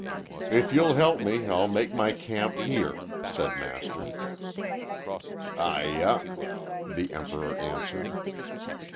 "If you'll help me, I'll make my camp here," said Master. "Ay ah," the Emperor answered.